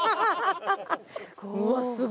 うわすご！